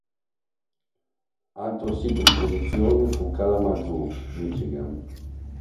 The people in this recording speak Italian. Altro sito di produzione fu Kalamazoo, Michigan.